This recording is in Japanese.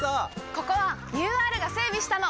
ここはＵＲが整備したの！